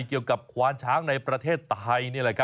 เกี่ยวกับขวานช้างในประเทศไทย